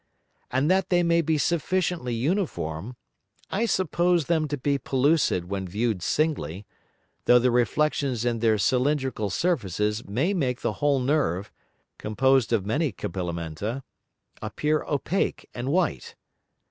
And that they may be sufficiently uniform, I suppose them to be pellucid when view'd singly, tho' the Reflexions in their cylindrical Surfaces may make the whole Nerve (composed of many Capillamenta) appear opake and white.